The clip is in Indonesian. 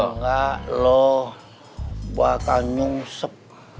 kalau enggak lo bakal nyungsep